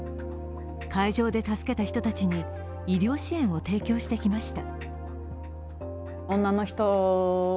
海上で助けた人たちに医療支援を提供してきました。